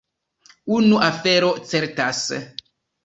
Unu afero certas.